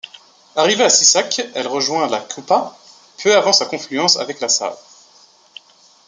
Arrivée à Sisak, elle rejoint la Kupa, peu avant sa confluence avec la Save.